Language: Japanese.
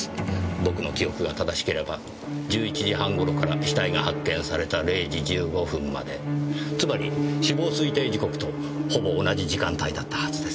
僕の記憶が正しければ１１時半頃から死体が発見された０時１５分までつまり死亡推定時刻とほぼ同じ時間帯だったはずです。